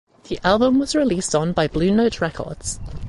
The album was released on by Blue Note Records.